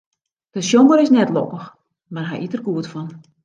De sjonger is net lokkich, mar hy yt der goed fan.